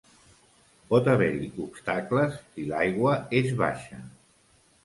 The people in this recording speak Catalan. Pot haver-hi obstacles si l"aigua és baixa.